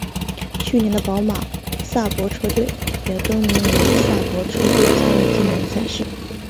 去年的宝马萨伯车队也更名为萨伯车队参与今年的赛事。